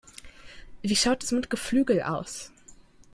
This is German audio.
Wie schaut es mit Geflügel aus?